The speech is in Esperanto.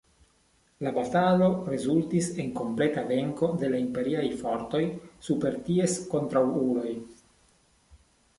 La batalo rezultis en kompleta venko de la Imperiaj fortoj super ties kontraŭuloj.